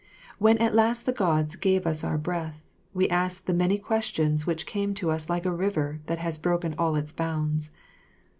When at last the Gods gave us our breath, we asked the many questions which came to us like a river that has broken all its bounds.